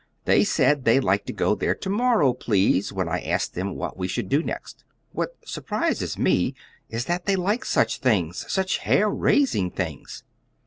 "They said they'd like to go there to morrow, please, when I asked them what we should do next. What surprises me is that they like such things such hair raising things.